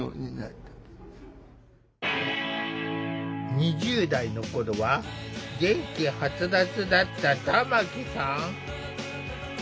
２０代の頃は元気はつらつだった玉木さん。